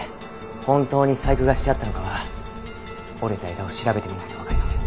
本当に細工がしてあったのかは折れた枝を調べてみないとわかりません。